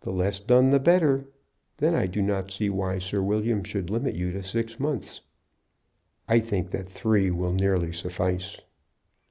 "The less done the better. Then I do not see why Sir William should limit you to six months." "I think that three will nearly suffice."